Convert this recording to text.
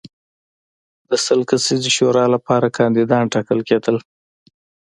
د سل کسیزې شورا لپاره کاندیدان ټاکل کېدل.